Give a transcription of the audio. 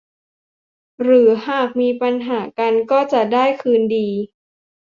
หรือหากมีปัญหากันก็จะได้คืนดี